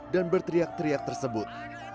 dan berteriak teriak tersebut